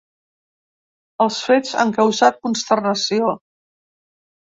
Els fets han causat consternació.